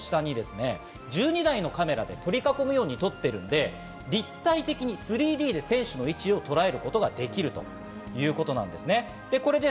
スタジアムの屋根の下に１２台のカメラで撮り囲むように撮っているんで立体的に３Ｄで選手の位置をとらえることができるということなんです。